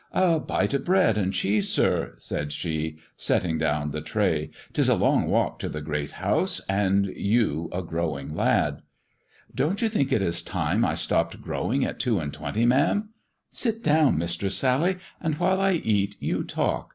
" A bite of bread and cheese, sir," said she, setting down the tray ;" 'tis a long walk to the Great House, and you a growing lad." " Don't you think it is time I stopped growing at two and twenty, ma'am ] Sit down. Mistress Sally, and while I eat, you talk.